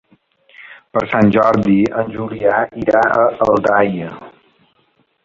Per Sant Jordi en Julià irà a Aldaia.